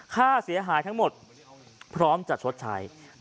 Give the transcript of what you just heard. ค่าเสียหายทั้งหมดพร้อมจะชดใช้